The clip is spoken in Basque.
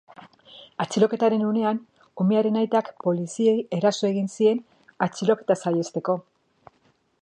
Atxiloketaren unean umearen aitak poliziei eraso egin zien atxiloketa saihesteko.